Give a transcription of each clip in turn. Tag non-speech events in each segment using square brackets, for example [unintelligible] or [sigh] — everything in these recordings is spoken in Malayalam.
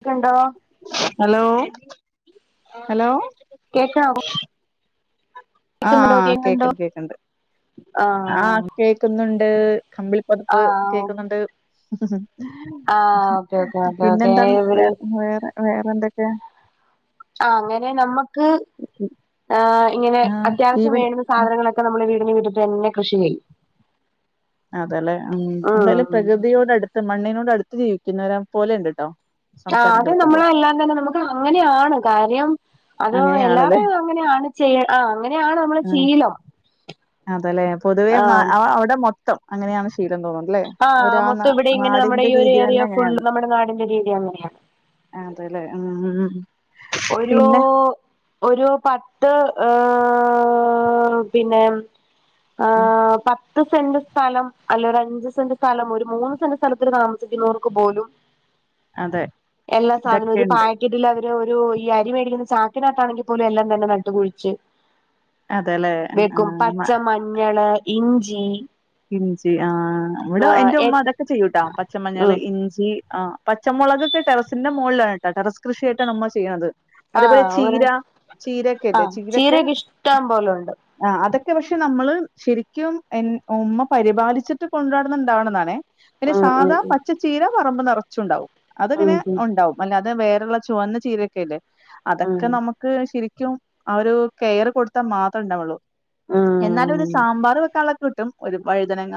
ക്ക് ഉണ്ടോ ഹലോ ഹലോ കേക്കാവോ ആ ആ കേക്കുന്നുണ്ടോ കേക്കുന്നുണ്ടോ കേക്കണ്ട് കേക്കണ്ട് ആ ആഹ് കേക്കുന്നുണ്ട് കമ്പിളിപൊതപ്പ് ആഹ് കേക്കുന്നുണ്ട് ആഹ് ഓക്കെ ഓക്കെ ഓക്കെ ഓക്കെ പിന്നെന്താണ് എവിടെ വേറെ വേറെ വേറെ എന്തൊക്കെയാ ആഹ് അങ്ങനെ നമ്മക്ക് ആ ഇങ്ങനെ ആ അത്യാവശ്യം ഈവൻ വേണ സാധനങ്ങളൊക്കെ നമ്മള് വീടിന് മുറ്റത്ത് തന്നെ കൃഷി ചെയ്യും അതയല്ലേ ഉം എന്തായാലും ഉം പ്രകൃതിയോട് അടുത്ത് മണ്ണിനോട് അടുത്ത് ജീവിക്കുന്നവരെ പോലെയുണ്ട് കേട്ടോ ആഹ് അത് നമ്മള് എല്ലാം തന്നെ നമുക്ക് അങ്ങനെയാണ് കാര്യം അത് അങ്ങനെയാണല്ലേ എല്ലാരുടെയും അങ്ങനെയാണ് ചെയ്യാ ആ അങ്ങനെയാണ് നമ്മള് ശീലം അതയല്ലേ പൊതുവേ മ ആഹ് അവിടെ മൊത്തം അങ്ങനെയാണ് ശീലം എന്ന് തോന്നുന്നുണ്ട് അല്ലേ ആഹ് മൊത്തം ഇവിടെ ഇങ്ങനെ നമ്മുടെ ഈ ഒരു തന്നെ ഏരിയ ഫുള്ള് അങ്ങനെയാണ് നമ്മുടെ നാടിന്റെ ഒരു ഏരിയ അങ്ങനെയാണ് ആഹ് അതെയല്ലേ ആഹ് ആഹ് ഒരൂ ഒരു പത്ത് ഏ പിന്നെ ഉം ആഹ് പത്ത് സെന്റ് സ്ഥലം അല്ലേ ഒരു അഞ്ച് സെന്റ് സ്ഥലം ഒരു മൂന്ന് സെന്റ് സ്ഥലത്തില് താമസിക്കുന്നവർക്ക് പോലും അതെ എല്ലാ സാധനവും ഒരു ഇതൊക്കെയുണ്ട് പാ ക്കറ്റില് അവര് ഒരു ഈ അരി മേടിക്കുന്ന ചാക്കിനകത്താണെങ്കിൽ പോലും എല്ലാം തന്നെ നട്ട് കുഴിച്ച് അതെല്ലേ ആ വെക്കും പച്ച മ- മഞ്ഞള് ഇഞ്ചി ഇഞ്ചി ആ ഇവിടെ ആഹ് എന്റെ എ ഉമ്മ അതൊക്കെ ചെയ്യൂട്ടാ പച്ചമഞ്ഞള് ഉം ഇഞ്ചി ആഹ് പച്ചമുളകൊക്കെ ടെറസിന്റെ മോളിലാണ് കേട്ടോ ടെറസ് കൃഷിയായിട്ടാണ് ഉമ്മ ചെയ്യണത് അതേപോലെ ആഹ് ഒരെ ചീര ചീരയൊക്കെ ഇല്ലേ ആഹ് ചീര ഒക്കെ ചീരയൊക്കെ ഇഷ്ടം പോലെ ഉണ്ട് ആഹ് അതൊക്കെ പക്ഷെ നമ്മള് ശരിക്കും എ ഉമ്മ പരിപാലിച്ചിട്ട് കൊണ്ട്‌ നടന്നുണ്ടാവണതാണേ പിന്നെ ഉം ഉം സാധാ പച്ച ചീര പറമ്പ് നറച്ചും ഉണ്ടാവും ഉം അതങ്ങനെ ഉം ഉണ്ടാവും അല്ലാതെ വേറൊള്ള ചുവന്ന ചീരയൊക്കെ ഇല്ലേ ഉം അതൊക്കെ നമുക്ക് ശരിക്കും ആ ഒരു കെയർ കൊടുത്താൽ മാത്രവേ ഉണ്ടാവുള്ളൂ ഉം എന്നാലും ഉം ഒരു സാമ്പാർ വെക്കാനുള്ളതൊക്കെ കിട്ടും. ഒരു വഴുതനങ്ങ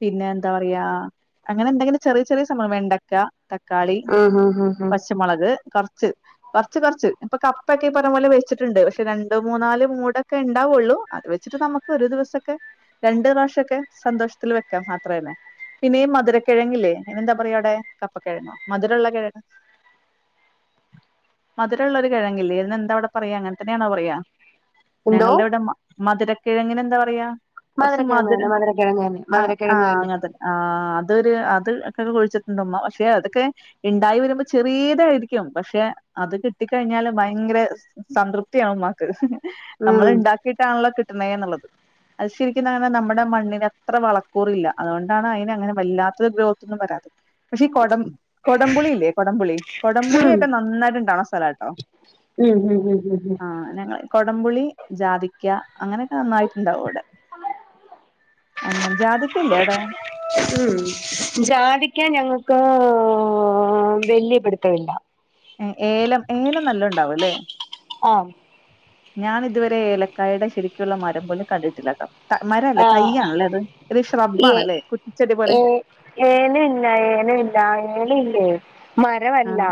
പിന്നെ എന്താ പറയാ അങ്ങനെ എന്തെങ്കിലും ചെറിയ ചെറിയ സംഭവം വെണ്ടക്ക ത ക്കാളി ഉം ഉം ഉം ഉം പച്ചമൊളക് കോറച്ച്. കൊറച്ച് കൊറച്ച് ഇപ്പൊ കപ്പക്കെ ഇ പറഞ്ഞപോലെ വെച്ചിട്ടുണ്ട്. പക്ഷെ രണ്ട് മൂന്നാല് മൂടൊക്കെ ഇണ്ടാവ്ള്ളൂ. അത് വെച്ചിട്ട് നമ്മക്ക് ഒരു ദിവസൊക്കെ രണ്ട് പ്രാവശ്യക്കെ സന്തോഷത്തില് വെക്കാം അത്രന്നെ. പിന്നെ ഇ മധുരക്കെഴങ്ങില്ലേ അതിന് എന്താ പറയാ അവിടെ കപ്പക്കെഴങ്ങോ മധുരള്ള കെഴങ്ങ്. മധുരുള്ള ഒരു കെഴങ്ങില്ലേ അതിന് എന്ത അവിടെ പറയാ അങ്ങനെ തന്നെയാണോ പറയ എന്തോ ഞങ്ങൾടെ ഇവടെ മധുരക്കെഴങ്ങിന് എന്താ പറയാ കോറച്ച് മധു മധുര കെഴങ്ങന്നെ മധുര കെഴങ്ങെന്നെ. ആ അതൊരു അത് ഒക്കെ കുഴിച്ചിട്ടുണ്ട്മ്മ പക്ഷെ അതൊക്കെ ഇണ്ടായി വരുമ്പോ ചെറീതായിരിക്കും പക്ഷെ അത് കിട്ടിക്കായ്ഞ്ഞാല് ഭയങ്കര സംതൃപ്തിയാണ് ഉമ്മാക്ക് നമ്മള് ഉം ഇണ്ടാക്കിയിട്ടാണല്ലോ കിട്ട്ണേന്ന്ള്ളത് അത് ശരിക്കുംന്താനർഞ നമ്മ ടെ മണ്ണിനത്ര വളക്കൂറില്ല അതോണ്ടാണ് അയിനങ്ങനെ വല്ലാത്ത ഗ്രോത്തൊന്നും വരാത്ത് പക്ഷേ ഈ കൊടം കൊടംപുളിയില്ലേ കൊടംപുളി ഉം കൊടംപുളിയൊക്കെ നന്നായിട്ട്ണ്ടാവ്ണ സ്ഥലാ ട്ടോ ഉം ഉം ഉം ഉം കൊടംപുളി ജാതിക്ക അങ്ങനെക്കെ നന്നായിട്ട്ണ്ടാവും ഇവടെ [unintelligible] അങ്ങനെ ജാതിക്കല്ലേ അവ്ടേ ഉം ജാതിക്കാ ഞങ്ങക്ക് വല്ല്യേ പിടുത്തമില്ല ഏ ഏലം ഏലം നല്ലണ്ടാവുല്ലേ ആം ഞാന് ത് വരേ ഏലക്കായടെ ശരിക്ക്ള്ള മരം പോലും കണ്ടിട്ടില്ലട്ടോ മരം അല്ല ആഹ് തയ്യാണ്ല്ലേ അത് ഒര് ശ്രബ്ബാണല്ലേ കുറ്റിച്ചെടി പോലെ ഏന ഇല്ല ഏന ഇല്ല ഏന ഇല്ലേ മരമല്ലാ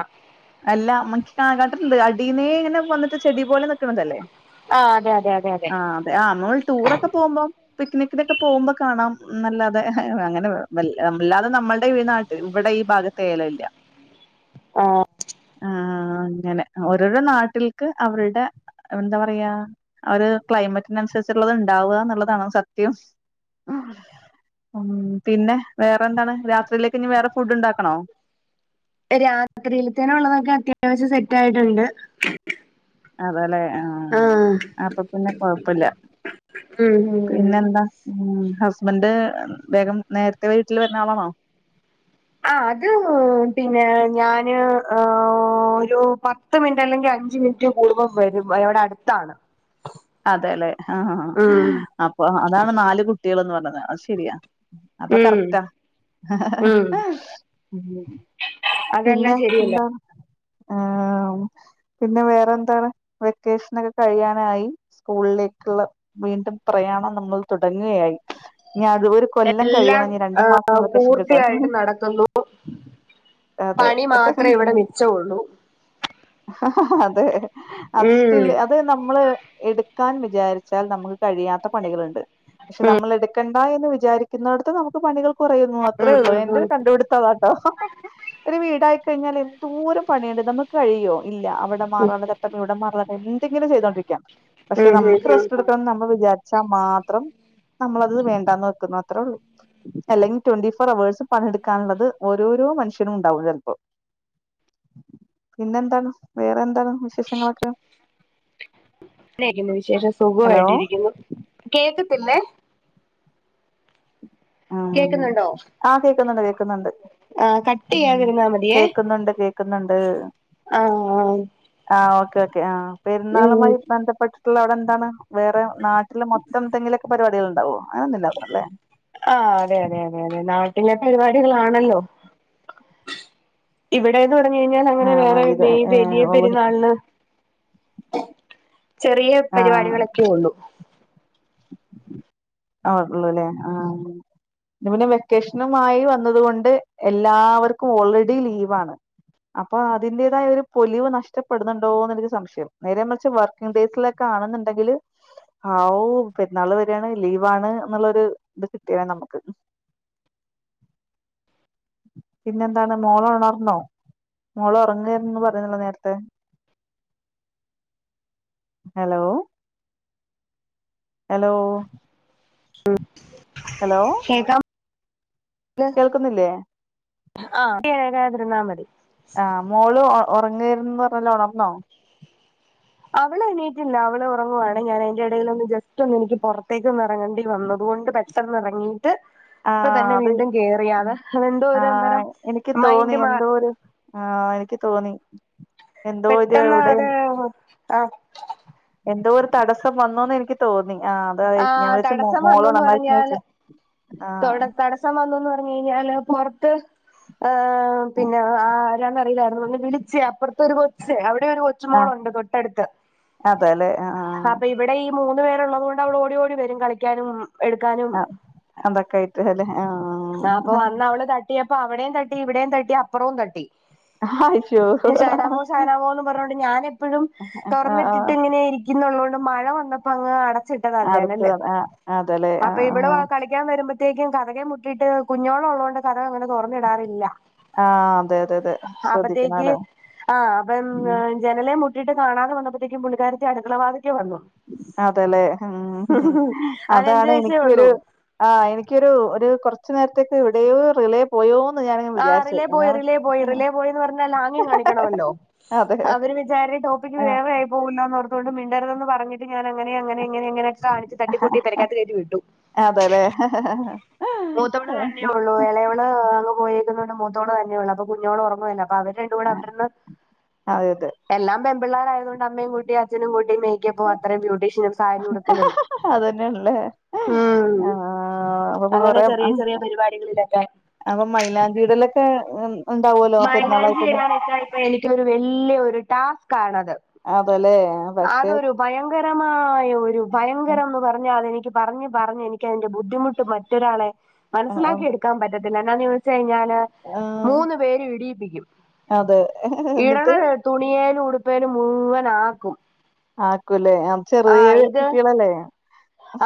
അല്ലാ [unintelligible] അടീന്നേങ്ങനെ വന്ന്ട്ട് ചെടി പോലെ നിക്ക്ണതല്ലേ ആഹ് അതെ അതെ അതെ ആ അതെ ആഹ് മ്മോള് ടൂറൊക്കെ പോവുമ്പോം പിക്നിക്കിനൊക്കെ പോവുമ്പോ കാണാം ന്നല്ലാതെ അങ്ങനെ വല്ലാ മ് വല്ലാതെ നമ്മള്ടെ വി ഈ നാട്ടിൽ ഇവിടെ ഈ ഭാഗ ത്തേലല്ല ആ ആ അങ്ങനെ ഓരോരോ നാട്ടിൽക്ക് അവര്ടെ എന്താ പറയാ അത് ക്ലൈമറ്റിനന്സരിച്ച്ട്ട്ള്ളത് ഇണ്ടാവാന്ന്ള്ളതാണോ സത്യം ഉം പിന്നെ വേറെന്താണ് രാത്രിയിലേക്ക് ഇഞ് വേറെ ഫുഡ്ണ്ടാക്കണോ രാത്രിൽതേന്ള്ളതൊക്കെ അത്യാവശ്യം സെറ്റായിട്ടുണ്ട് അതല്ലേ ആ ആഹ് അപ്പൊ പിന്നെ കൊഴപ്പല്ല ഉം ഉം പിന്നെന്താ ഉം ഹസ്ബന്റ് വേഗം നേര്ത്തെ വീട്ടില് വര്ണ ആളാണോ ആ അത് പിന്നേ ഞാന് ഏ ഒരു പ ത്ത് മിൻറ്റ് അല്ലെങ്കി അഞ്ച് മിൻറ്റ് കൂടുമ്പം വരും ഇവടെ അട്ത്താണ് അതെല്ലെ ആഹ് ഉം അപ്പൊ അതാണ് നാല് കുട്ട്യേള്ന്ന് പറഞ്ഞത് അത് ശെരിയാ അപ്പൊ ഉം കറക്റ്റാ ഉം പിന്നെ അതെല്ലാം ശരിയല്ല എന്താണ് ആഹ് പിന്നെ വേറെന്താണ് വെക്കേഷ്നൊക്കെ കഴിയാനായി സ്കൂളിലേക്ക്ള്ള വീണ്ടും പ്രയാണം നമ്മൾ തുടങ്ങ്കയായി ഇഞ് അത് വരെക്കും കൊല്ലം എല്ലാം കഴിയണം ഞ്ഞ് രണ്ട് മാസം വെക്കേഷൻ പൂർത്തിയായിട്ട് കിട്ടാൻ നടക്കുന്നു അതെ പണി മാത്രേ ഇവിടെ മിച്ചമുള്ളൂ ഹ ഹ അതെ അത് ഉം സ്റ്റില് അത് നമ്മള് എട്ക്കാൻ വിചാരിച്ചാൽ നമ്മക്ക് കഴിയാത്ത പണികള്ണ്ട് പക്ഷെ നമ്മൾ എടുക്കെ ണ്ടാഎന്ന് വിചാരിക്ക്ന്നോടത്ത് നമുക്ക് പണികൾ കൊറയുന്നു. അത്രേ ഉം ഉള്ളൂ ഉം എന്റെ ഉം ഒരു കണ്ടുപിടി ത്തമാട്ടോ ഒര് വീടായിക്കഴിഞ്ഞാലെന്തോരം പണിയ്ണ്ട് നമ്മക്ക് കഴിയോ ഇല്ലാ അവടെ ഉം മാറോല തട്ട പ്പവിടെ മാറോലട്ട എന്തെങ്കിലും ചെയ്തോണ്ടരിയ്ക്ക പക്ഷെ നമ്മക്ക് ഉം ഉം ഉം റെസ്റ്റെട്ക്കണന്ന് നമ്മൾ വിചാ ച്ചാ മാത്രം നമ്മളത് വേണ്ടാന്ന് വെക്ക്ന്നു അത്രേ ഒള്ളൂ അല്ലെങ്കി ട്വന്റി ഫോർ അവേഴ്സ് പണിട്ക്കാന്ള്ളത് ഓരോരോ മനുഷ്യനുംണ്ടാവും ചെൽപ്പോ പിന്നെന്താണ് വേറെ എന്താണ് വിശേഷങ്ങളൊക്കെ ങ്ങനെയൊക്കെന്നെ വിശേഷം ഹലോ സുഖവായിട്ടിരിക്കുന്നു, കേക്കത്തില്ലേ ആഹ് കേക്കുന്നുണ്ടോ ആഹ്‌ കേക്ക്ന്ന്ണ്ട് കേക്ക്ന്ന്ണ്ട് ആഹ് കട്ട് ഉം ചെയ്യാതിരുന്നാ മതിയേ കേക്ക്ന്ന്ണ്ട് കേക്ക്ന്ന്ണ്ട് ആഹ് ആഹ് ഓക്കെ ഓക്കേ, ആഹ് ഉം പെര്ന്നാളുമായി ബന്ധപ്പെട്ട്ട്ടുള്ള അവടെന്താണ് വേറെ നാട്ടില് മൊത്തം ന്തെങ്കിലൊക്കെ പരിപാടികള്ണ്ടാവോ അങ്ങനൊന്നുല്ല തോന്ന്ണ് ല്ലേ ആഹ് അതെ അതെ അതെ അതെ നാട്ടിലെ പരിപാടികളാണല്ലോ. ഇവിടെന്ന് പറഞ്ഞ് കഴിഞ്ഞാൽ അങ്ങനെ ആഹ് വേറെ ഇത് ഈ വലിയ ഏഹ് ഉള്ളു പെരുന്നാൾന് ചെറിയ ആഹ് പരിപാടികളൊക്കെ ഒള്ളു. ആ ഒള്ളുലേ ആഹ് അത് പിന്നെ വെക്കേഷനുമായി വന്നത് കൊണ്ട് എല്ലാവർക്കും ഓൾറെഡി ലീവാണ്. അപ്പോ അതിന്റേതായ ഒരു പൊലിവ് നഷ്ടപ്പെടുന്നുണ്ടോന്നെനിക്ക് സംശയം നേരെ മറിച്ച് വർ ക്കിങ് ഡേയ്‌സിലൊക്കാണെന്നുണ്ടെങ്കില് ആവു പെര്ന്നാള് വരാണ്. ലീവാണ്ന്ന്ള്ളൊരുത് കിട്ടിയേനെ നമുക്ക് പിന്നെന്താണ് മോളൊണർന്നോ? മോള് ഒറങ്ങായിരുന്നുന്ന് പറയുന്നല്ലോ നേര്ത്തെ ഹെലോ ഹെലോ ഹെലോ കേക്കാമോ? കേൾക്കുന്നില്ലേ? ആഹ് [unintelligible] തിരുന്നാ മതി ആഹ് മോള് ഒറങ്ങായിരുന്നന്ന് പറഞ്ഞല്ലോ ഒണർന്നോ? അവള് എണീറ്റില്ല. അവള് ഉറങ്ങുവാണ് ഞാനെ യ്ന്റെ എടേലൊന്ന് ജസ്റ്റൊന്നെനിക്ക് പുറത്തേക്കൊന്നെറങ്ങേണ്ടി വന്നതുകൊണ്ട് പെട്ടെന്നെറങ്ങി ട്ട് ആ ഇപ്പ തന്നെ അത് വീണ്ടും കേറിയതെ അതെന്തോ ആ ഒര് അന്നേരം മൈൻഡ് മാ ആഹ് എനിക്ക് തോന്നി. എന്തോ ഒരു എവിടെ പെട്ടെന്നാത് ആഹ് എന്തോ ഒരു തടസ്സം വന്നൂന്നെനിക്ക് തോന്നി ആഹ് ആ ഞാൻ വിചാരിച്ച് മോ തടസ്സം മോള് വന്നുന്ന് നന്നായി ' [unintelligible] ആഹ് ച്ചൻ വന്നൂന്ന് പറഞ്ഞ് കഴിഞ്ഞാല് പൊറത്ത് ആഹ് ഉം. പിന്നെ ആരാന്നറിയില്ലായിരുന്നു വിളിച്ച് അപ്പറത്തൊരു കൊച്ച് അവിടെ ഒരു കൊ ച്ചു ആഹ് മോളുണ്ട് തൊട്ടടുത്ത് അതെല്ലെ ആഹ് അപ്പ ഇവിടെ ഈ മൂന്ന് പേരുള്ളത് കൊണ്ട് അവള് ഓടി ഓടി വരും കളിക്കാനും എടുക്കാനും ആഹ് അതൊക്കെ ആയിട്ട് അല്ലെ ആഹ് ആഹ് ട്ടിയപ്പം അവിടെയും തട്ടി ഇവിടെയും തട്ടി അപ്പുറവും തട്ടി. അയ്യോ ഷാനാമോ ഷാനാമോന്നും പർഞ്ഞോണ്ട് ഞാനെപ്പോഴും ആഹ് ആഹ് തൊർന്നിട്ടിട്ടിങ്ങനെ ഇരി ക്കുന്നുള്ളോണ്ട് മഴ വന്നപ്പങ്ങ് അടച്ചിട്ടതാ അടുത്ത് ജനല് ആഹ് അതെല്ലേ അപ്പോ ആഹ് ഇവിടെ ആഹ് വാ കളി ഞാൻ വരുമ്പഴ്‌ത്തേക്കും കതകെ മുട്ടിട്ട് കുഞ്ഞോളുള്ളത് കൊണ്ട് കതക് അങ്ങനെ തുറന്നിടാറില്ല. ആഹ് അതെ അതെ അതെ അപ്പത്തേക്ക് ശ്രദ്ധിക്കണല്ലോ ആ [inaudible] ഉം ജനലെ മുട്ടിട്ട് കാണാതെ വന്നപ്പഴ്‌ത്തേക്കും പുള്ളിക്കാരത്തി അടുക്കള വാത്ക്കെ വന്നു. അതെലെ ഉം അത് അഞ്ച് അതാണ് വയസ്സേ ഉള്ളൂ എനിക്കൊരു ആ എനിക്കൊരു ഒരു കൊറച്ച് നേരത്തേക്ക് ഇവിടെയോ റിലേ- പോയോന്ന് ഞാനങ്ങ് ആ വിചാരിച്ചു റിലേ പോയി ഞാൻ റിലേ പോയി റിലേ പോയിന്ന് പറഞ്ഞാൽ ആഗ്യം കാണിക്കണമല്ലോ അതെ അവര് വെച്ച് ആരേം ടോപ്പിക്ക് ആഹ് വേറെ ആയി പോവൊല്ലോന്ന് ഓർത്ത് തോണ്ട് മിണ്ടരുതെന്ന് പറഞ്ഞിട്ട് ഞാൻ അങ്ങനെ അങ്ങനെ ഇങ്ങനെ ഇങ്ങനെ കാണിച്ച് തട്ടിക്കുട്ടി പെരക്കാത്ത് കയറ്റി വിട്ടു. അതെല്ലേ മൂത്തവള് തന്നേ ഓക്കെ ഉള്ളു ഇളയവള് അങ്ങ് പോയേക്കുന്നോണ്ട് മൂത്തോള് തന്നെ ഉള്ളൂ അപ്പൊ കുഞ്ഞോള് ഉറങ്ങുവ അയ്നഖത്ത്. അപ്പ അവര് രണ്ടും കൂടെ അവടിര്ന്ന് അതെ അതെ എല്ലാം പെൺപിള്ളേരായതു കൊണ്ട് അമ്മയും കൂട്ടി അച്ഛനും കൂട്ടി മെ യ്ക്കപ്പോ അത്രയും ബ്യൂട്ടീഷ്യനും സാരി ഉടുക്കലും അതന്നെയാണല്ലേ ഉം. ആഹ് അപ്പൊ അങ്ങനെ കൊറേ ചെറിയ ചെറിയ പരിപാടി കളിലൊക്കെആയി അപ്പൊ മൈലാഞ്ചി ഇടലൊക്കെ എൻ ഉണ്ടാവൊലൊ പെരുന്നാളായി കഴിഞ്ഞാ. ഇപ്പ എനിക്കൊരു വല്യ ഒരു ടാസ്ക്കാണത്. അതെലേ ആ പക്ഷെ ഭയങ്കരമായ ഒരു ഭയങ്കരം ആ ന്ന് പറഞ്ഞാ അതെനിക്ക് പറഞ്ഞ് പറഞ്ഞ് എനിക്കതിന്റെ ബുദ്ധിമുട്ട് പ മറ്റൊരാളെ ആ മനസ്സിലാക്കി എടുക്കാൻ പറ്റത്തില്ല എനാന്ന് ചോദിച്ചാ ഞാന് ആ മൂന്ന് ട്ട് ഇടീപ്പിക്കും അതെ എന്നിട്ട് ഇടണത് തുണിയേലും ഉടുപ്പേലും മുഴുവൻ ആക്കും ആക്കും ല്ലേ ആഹ് ആ ചെറിയ ഇത് കുട്ടികളെല്ലേ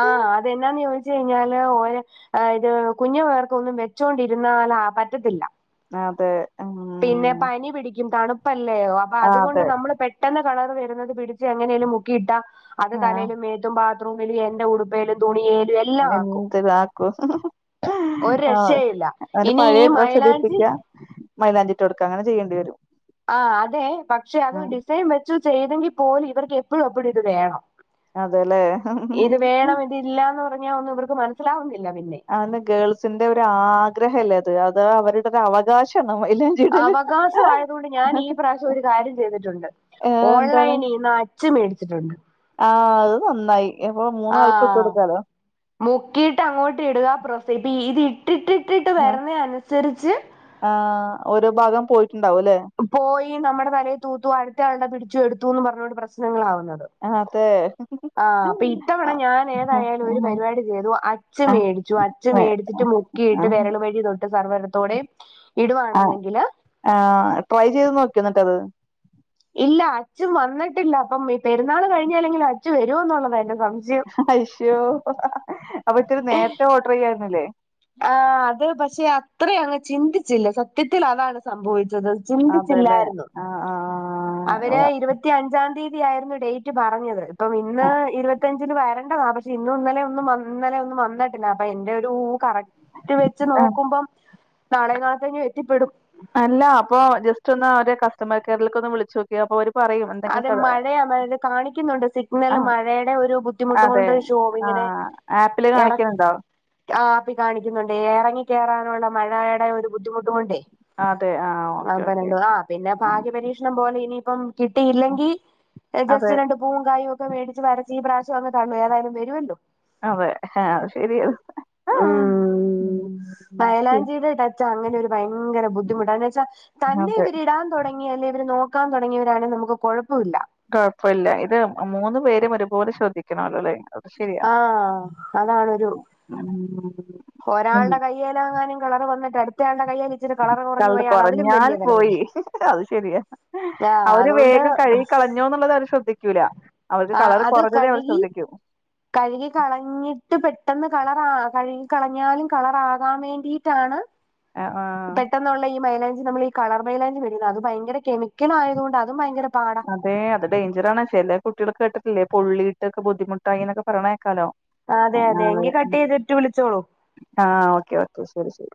ആ അതെന്നാന്ന് ചോദിച്ച് കഴിഞ്ഞാല് ഓരെ- ആഹ് ഇത് കുഞ്ഞു പിള്ളേർ കൊന്നും വെച്ചോണ്ടിരുന്നാ ലാ പറ്റത്തില്ല അതെ മ്മ് പിന്നെ പനി പിടിക്കും തണുപ്പല്ലേ അപ്പൊ ആ അതുകൊണ്ട് അതെ നമ്മള് പെട്ട- പെട്ടന്ന് കളറ് വരുന്നത് പിടിച്ച് എങ്ങനെലും മുക്കിയിട്ടാ അത് ആ തലയിലും മേത്തും ബാ- ബാത്റൂമിലും എന്റെ ഉടുപ്പേലും തുണിയേലും എൽ- എന്തത് ആക്കും ഒരു ആഹ് രക്ഷയില്ല അവന്റ ഇനി പഴേ ഈ ഡ്രസ്സ് മൈലാഞ്ചി ഇടിപിക്യ- മൈലാഞ്ചിട്ടൊട്ക്ക അങ്ങനെ ചെയ്യണ്ടി വരും. ആഹ് അതെ പക്ഷെ അത് ആ ഡിസൈൻ വെച്ചു ചെയ്തെങ്കി പോലും ഇവർക്ക് എപ്പഴും എപ്പഴും ഇത് വേണം. അതെ ലേ ഇത് ഇല്ല എന്ന് പറഞ്ഞാ ഒന്നും ഇവർക്ക് മനസ്സിലാവുന്നില്ല പിന്നെ. അതനെ ഗേൾസിന്റെ ഒരു ആഗ്രഹല്ലേ അത് അത് അവരുടെ ഒരു അവകാഷാണ് മൈലാഞ്ചി അവകാഷം ആയതുകൊണ്ട് ഞാൻ ഈ പ്രാവശ്യം ഒരു കാര്യം ചെയ്തിട്ടുണ്ട് ഏ എന്താ ഓൺലൈനിന്ന് അൻ- അഞ്ച് മേടിച്ചിട്ടുണ്ട് ആഹ് അത് നന്നായി ഇപ്പോ ആ മൂന്നാൾക്കും ഇട്ട് കൊടുക്കാലോ മുക്കിയിട്ട് അങ്ങോട്ട് ഇടുക [inaudible] ഇത് ഇട്ടിട്ടിട്ടിട്ട് ഏഹ് വരുന്ന അനുസരിച്ച്. ആഹ് ഓരോ ഭാഗം പോയിട്ടുണ്ടാവും ല്ലെ പോയി ന്നമ്മടെ തലയിൽ തൂത്തു അടുത്ത ആളെ പിടിച്ചു എടുത്തുന്ന് പറഞ്ഞുകൊണ്ട് പ്രശ്നങ്ങളാവുന്നത്. അതേ ആഹ് അപ്പ ഇത്തവണ ഞാൻ ഏതായാലും ഒരു പരിപാടി ചെയ്തു അച്ച് മേടിച്ചു അച്ച് മേടിച്ചിട്ട് മു- മുക്കി ഇട്ട് വെരല് വഴി തൊട്ട് സർവരത്തോടേം ആഹ് ഇടുവാണെന്നെങ്കില് ആഹ് ട്രൈ ചെയ്ത് നോക്കിയൊ എന്നിട്ടത്. ഇല്ല അച്ഛും വന്നിട്ടില്ല അപ്പം ഈ പെരുന്നാൾ കഴിഞ്ഞാലെങ്കും അച്ചു വരോ എന്നുള്ളതാ എന്റെ സംശയം അശ്യോ അപ്പൊ ഇത്തിരി നേരത്തെ ഓർഡർ ചെയ്യായിരുന്നില്ലേ? ആഹ് അത് പക്ഷെ അത്ര അങ്ങ് ചിന്തിച്ചില്ല സത്യത്തിൽ അതാണ് സംഭവിച്ചത് അതെല്ലേ ചിന്തിച്ചില്ലായിരുന്നു ആഹ് അവര് ആഹ് ഇരുപത്തിയഞ്ചാം തീയതി ആയിരുന്നു ഡേറ്റ് പറഞ്ഞത് ഇപ്പം ഇന്ന് ഇരുപത്തിഞ്ച് വരേണ്ടതാ പക്ഷെ ഇന്നും ഇന്നലെ ഒന്നുംന്നലെ ഒന്നും വന്നിട്ടില്ല അപ്പൊ എന്റെറെ ഒരു കറക് റ്റ് വെച്ച് ആഹ് നോക്കുമ്പം നാളെ നാളത്തകഴിഞ്ഞോ എത്തിപ്പെടും അല്ല അപ്പൊ ജസ്റ്റ് ഒന്ന് അവരെ കസ്റ്റമർ കെയറിലേക്ക് ഒന്ന് വിളിച്ചു നോക്ക ക്ക്യ അപ്പൊ ഒരു പറയും എന്തെങ്കിലും അതെ ത മഴയത് കാണിക്കുന്നുണ്ട് സിഗ്നല് ആഹ് മഴയുടെ ഒരു ബു അതെ ബുദ്ധിമുട്ടൊണ്ട് ശോ ഇങ്ങനെ ആഹ് ആപ്പില് എറ കാണിക്കുന്നുണ്ടോ ആഹ് ആപ്പി കാണിക്കുന്നുണ്ട് ഇറങ്ങി കയറാനുള്ള മഴയുടെ ഒരു ബുദ്ധിമുട്ടും കൊണ്ടെ അതെ ആഹ് [unintelligible] ഓക്കെ ഓക്കെ ആഹ് പിന്നെ ആഹ് ഭാഗ്യപരീക്ഷ ക്ഷണം പോലെ ഇനിപ്പം കിട്ടിയില്ലെങ്കിൽ അതെ ജസ്റ്റ് രണ്ട് പൂവും കയൊക്കെ ഒക്കെ വേടിച്ച് വരച്ച്ഈ പ്രാവശം അങ് ഏതായാലും തരുമല്ലോ അതെ ആഹ് ശരിയത് ഉം മയലാഞ്ചിയുടെ ടച്ച അങ്ങനെ ഒരു ഭയങ്കര ബുദ്ധിമുട്ടാ അതിന്നച്ച തന്നെ അതെ ഇവരിടാ തുടങ്ങി അല്ലെങ്കി ഇവര് നോക്കാൻ തുടങ്ങിയവരാണങ്കി നമുക്ക്‌ കുഴപ്പല്ല കുഴപ്പില്ല ഇത് മൂന്നു പേരും ഒരുപോലെ ചോദ്ദിക്കും ണല്ലല്ലേ അത് ശരിയാ ആഹ് അതാണൊരു യ്യേ ലാങ്ങാനും കളർ വന്നിട്ട് അടു മറ്റാടെ കയ്യേൽ ഇച്ചിരി കളർ കുറഞ്ഞു പോയാൽ അത് അതിലും കുറഞ്ഞാൽ വല്യ പോയി തലവേദന അത് ശരിയാ ആഹ് അതോണ്ട് റ്റൊ എന്നുള്ളത് അവർ ശ്രദ്ധിക്കൂല അവർക്ക് കളർ അത് കുറഞ്ഞതേ അവർ കഴുകി ശ്രദ്ധിക്കൂ കഴുകി കളഞ്ഞിട്ട് പെട്ടെന്ന് കളറാ കഴുകി കളഞ്ഞാലും കളറാകാൻ വേണ്ടി ട്ടാണ് ആഹ് ആഹ് പെട്ടെന്നുള്ള ഈ മൈലാഞ്ച് നമ്മൾ ഈ കളർ മൈലാഞ്ചി ഇടുന്നത് അത് ഭയങ്കര കെമിക്കൽ ആയത കൊണ്ട് അതും ഭയങ്കര പാടാ അതെ അത് ഡേഞ്ചറണ ചില കുട്ടികൾ കേിട്ടില്ലേ പൊള്ളിറ്റൊക്കെ ബുദ്ധിമുട്ടായിങ്ങനൊക്കെ പറണേക്കാലോ അതെ അതെ എങ്കി കട്ട് ചെയ്തിട്ട് വിളിച്ചോളൂ ആഹ് ഓക്കെ ഓക്കെ ശരി ശരി